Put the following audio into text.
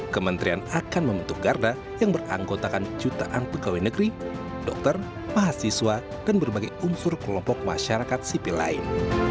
kementerian akan membentuk garda yang beranggotakan jutaan pegawai negeri dokter mahasiswa dan berbagai unsur kelompok masyarakat sipil lain